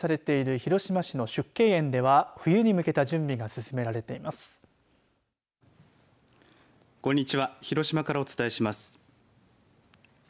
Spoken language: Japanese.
広島からお伝えします。